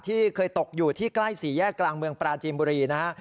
ที่เคยตกอยู่ที่ใกล้สี่แยกกลางเมืองปราจีนบุรีนะฮะ